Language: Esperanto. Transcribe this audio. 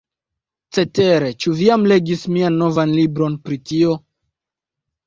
Cetere, ĉu vi jam legis mian novan libron pri tio?